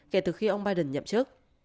kể từ khi ông biden nhậm chức